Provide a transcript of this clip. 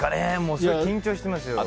すごい緊張してますけど。